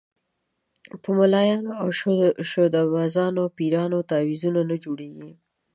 په ملایانو او شعبده بازو پیرانو تعویضونه جوړېږي.